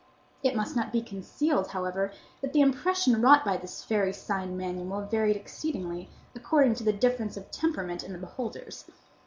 It must not be concealed, however, that the impression wrought by this fairy sign manual varied exceedingly, according to the difference of temperament in the beholders.